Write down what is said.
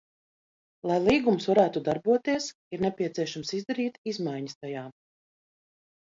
Lai līgums varētu darboties, ir nepieciešams izdarīt izmaiņas tajā.